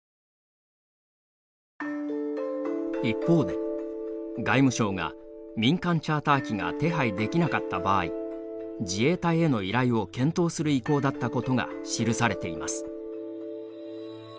一方で外務省が民間チャーター機が手配できなかった場合自衛隊への依頼を検討する意向だったことが記されています。